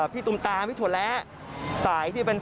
ประมาณ๖๑